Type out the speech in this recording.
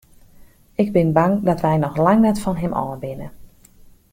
Ik bin bang dat wy noch lang net fan him ôf binne.